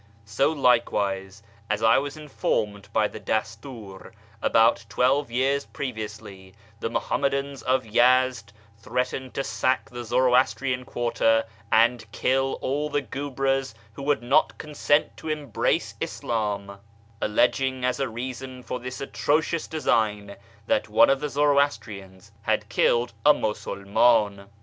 So likewise, as I was informed by the Dastur, about twelve years previously the Muhammadans of Yezd threatened to sack the Zoroastrian quarter and kill all the guebres who would not consent to embrace Islam, alleging as a reason for this atrocious design that one of the Zoroastrians had killed a Musulman.